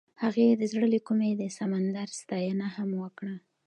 هغې د زړه له کومې د سمندر ستاینه هم وکړه.